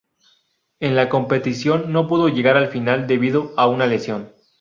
En la competición no pudo llegar al final debido a una lesión.